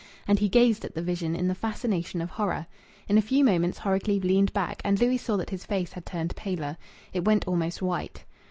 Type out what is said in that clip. And he gazed at the vision in the fascination of horror. In a few moments Horrocleave leaned back, and Louis saw that his face had turned paler. It went almost white.